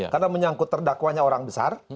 karena menyangkut terdakwanya orang besar